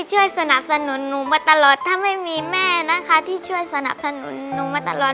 ช่วยสนับสนุนหนูมาตลอดถ้าไม่มีแม่นะคะที่ช่วยสนับสนุนหนูมาตลอด